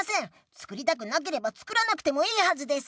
つくりたくなければつくらなくてもいいはずです。